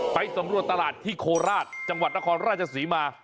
ไปสำรวจตลาดที่โคราชจังหวัดนครราชศรีมา